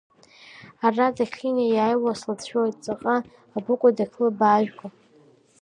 Ара дахьынеиааиуа слыцәшәоит, ҵаҟа абыкәу дахьлыбаажәго?!